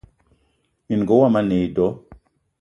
Minenga womo a ne e do.